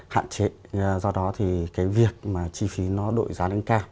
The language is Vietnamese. hạn chế do đó thì cái việc mà chi phí nó đội giá nâng cao